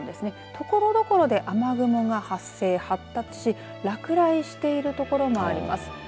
ところどころで雨雲が発生発達し落雷している所があります。